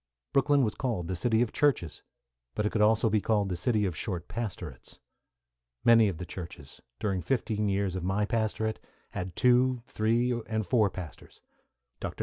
Brooklyn was called the city of churches, but it could also be called the city of short pastorates. Many of the churches, during fifteen years of my pastorate, had two, three, and four pastors. Dr.